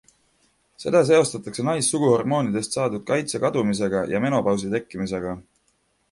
Seda seostatakse naissuguhormoonidest saadud kaitse kadumisega ja menopausi tekkimisega.